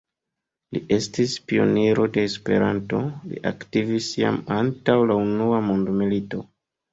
Li estis pioniro de Esperanto; li aktivis jam antaŭ la unua mondmilito.